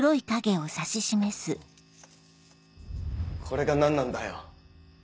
これが何なんだよ？